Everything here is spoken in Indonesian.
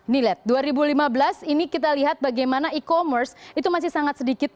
ini lihat dua ribu lima belas ini kita lihat bagaimana e commerce itu masih sangat sedikit